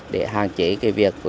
để hạn chế việc